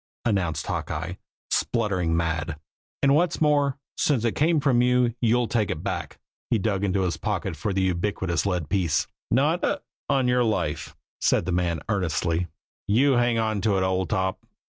announced Hawkeye, spluttering mad. "And what's more, since it came from you, you'll take it back!" He dug into his pocket for the ubiquitous lead piece. "Not hic! on your life!" said the man earnestly. "You hang on to it, old top.